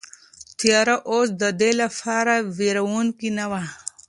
تیاره اوس د ده لپاره وېروونکې نه وه.